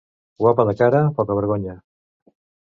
Guapa de cara, pocavergonya.